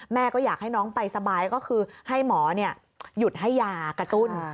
ก็อยากให้น้องไปสบายก็คือให้หมอหยุดให้ยากระตุ้น